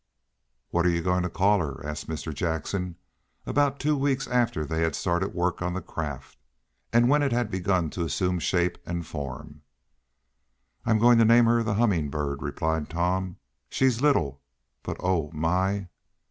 "What are you going to call her?" asked Mr. Jackson, about two weeks after they had started work on the craft, and when it had begun to assume shape and form. "I'm going to name her the Humming Bird," replied Tom. "She's little, but oh, my!"